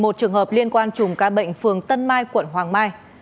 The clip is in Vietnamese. một mươi một trường hợp liên quan chùm ca bệnh phường tân mai quận hoàng mai